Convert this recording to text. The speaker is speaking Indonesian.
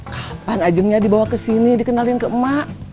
kapan ajengnya dibawa kesini dikenalin ke ma